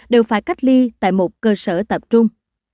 đều phải cách ly tại một cơ sở tập trung